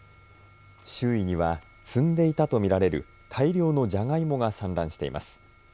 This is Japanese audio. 周囲には積んでいたと見られる大量のじゃがいもが散乱しています。